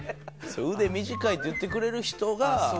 「腕短い」って言ってくれる人が。